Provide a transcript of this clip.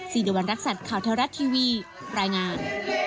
สิริวัณรักษัตริย์ข่าวเทวรัฐทีวีรายงาน